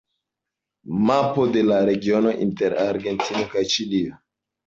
Mapo de la regiono inter Argentino kaj Ĉilio.